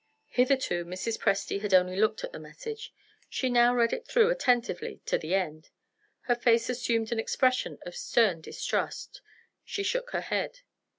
Hitherto, Mrs. Presty had only looked at the message. She now read it through attentively to the end. Her face assumed an expression of stern distrust. She shook her head.